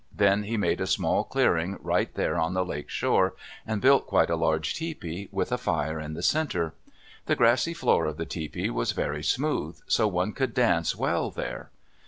Then he made a small clearing right there on the lake shore, and built quite a large tepee, with a fire in the center. The grassy floor of the tepee was very smooth, so one could dance well there.